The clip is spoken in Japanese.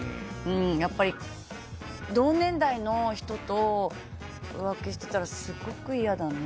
やっぱり、同年代の人と浮気していたらすごく嫌だね。